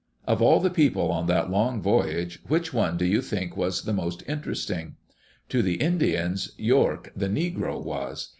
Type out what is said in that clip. Of all the people on that long voyage, which one do you think was the most interesting? To the Indians, York the Negro was.